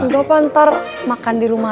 gak apa ntar makan di rumah aja